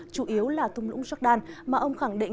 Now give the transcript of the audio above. chủ yếu là thung lũng jordan